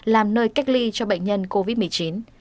làm nơi cách ly cho bệnh nhân covid một mươi chín